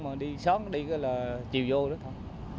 mà đi sớm đi là chiều vô đó thôi